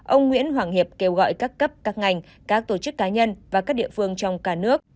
ông nguyễn hoàng hiệp kêu gọi các cấp các ngành các tổ chức cá nhân và các địa phương trong cả nước